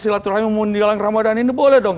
silaturahmi menjelang ramadhan ini boleh dong